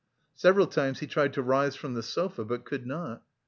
Several times he tried to rise from the sofa, but could not.